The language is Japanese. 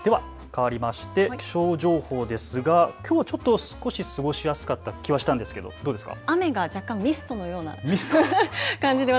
かわりまして気象情報ですがきょうちょっと少し過ごしやすかった気はしたんですけどどうですか。